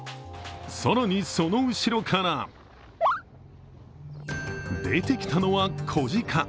更に、その後ろから出てきたのは子鹿。